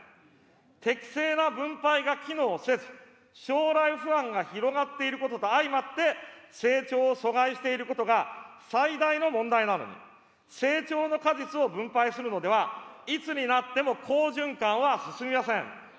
適正な分配が機能せず、将来不安が広がっていることと相まって、成長を阻害していることが、最大の問題なのに、成長の果実を分配するのでは、いつになっても好循環は進みません。